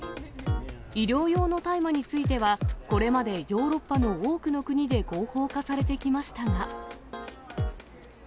医療用の大麻については、これまでヨーロッパの多くの国で合法化されてきましたが。